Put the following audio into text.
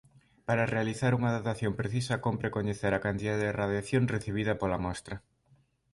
Para realizar unha datación precisa cómpre coñecer a cantidade de radiación recibida pola mostra.